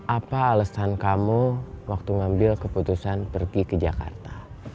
apa alasan kamu waktu ngambil keputusan pergi ke jakarta